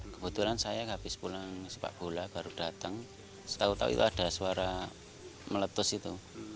kebetulan saya habis pulang sepak bola baru datang setahu tahu itu ada suara meletus itu